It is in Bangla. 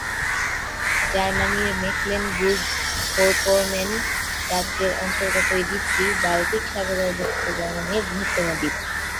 জার্মানির মেকলেনবুর্গ-ফোরপমের্ন রাজ্যের অন্তর্গত এই দ্বীপটি বাল্টিক সাগরে অবস্থিত জার্মানির বৃহত্তম দ্বীপ।